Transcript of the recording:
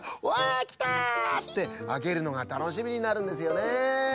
わきた！ってあけるのがたのしみになるんですよね。